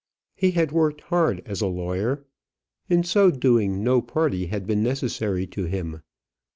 He had worked hard as a lawyer. In so doing no party had been necessary to him.